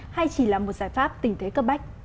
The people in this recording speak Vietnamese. hay chỉ là một giải pháp tình thế cấp bách